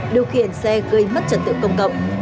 điều khiển xe gây mất trật tự công cộng